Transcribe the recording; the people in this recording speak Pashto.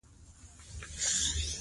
که تاسو ته دا موضوع مهمه وي.